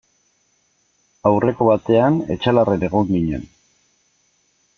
Aurreko batean Etxalarren egon ginen.